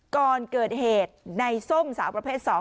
ก่อนเกิดเหตุในส้มสาวประเภท๒